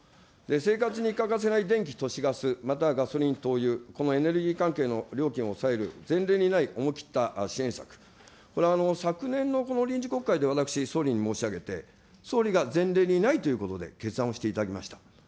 生活に欠かせない電気、都市ガス、またはガソリン、灯油、このエネルギー関係の料金を抑える前例にない思い切った支援策、これは昨年の臨時国会で私、総理に申し上げて、総理が前例にないということで決断をしていただきました。